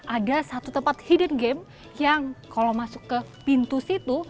ada satu tempat hidden game yang kalau masuk ke pintu situ